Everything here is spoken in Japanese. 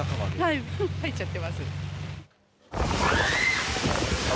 はい、入っちゃってます。